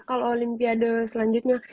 kalau olimpiade selanjutnya